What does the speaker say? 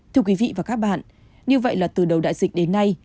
thưa quý vị và các bạn như vậy là từ đầu đại dịch đến nay